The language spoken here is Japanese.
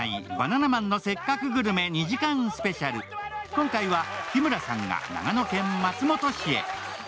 今回は日村さんが長野県松本市へ。